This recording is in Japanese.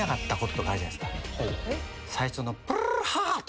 最初の。